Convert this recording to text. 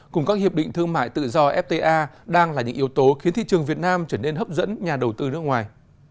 cùng các hiệp định thương mại tự do fta đang là những yếu tố khiến thị trường việt nam trở nên hấp dẫn nhà đầu tư nước ngoài